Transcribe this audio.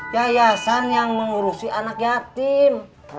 yayasan yang mengurusi anak yatim